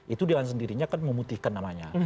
itu dia sendiri kan membuktikan namanya